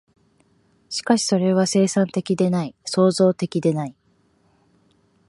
しかしそれは生産的でない、創造的でない。